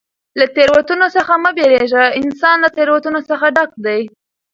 له تېروتنو څخه مه بېرېږه! انسان له تېروتنو څخه ډک دئ.